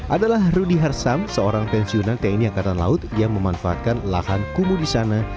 adalah rudy harsam seorang pensiunan tni angkatan laut yang memanfaatkan lahan kumuh di sana